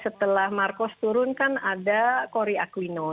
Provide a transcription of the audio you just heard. setelah marcos turun kan ada corri aquino